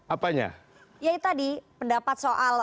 apanya ya itu tadi pendapat soal